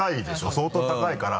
相当高いから。